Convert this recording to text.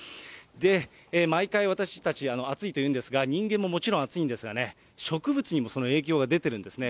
で、毎回私たち、暑いと言うんですが、人間ももちろん暑いんですがね、植物にもその影響が出てるんですね。